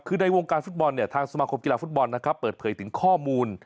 คือในวงการฟุตบอลทางสมาครบกีฬาฟุตบอลเปิดเผยถึงข้อมูล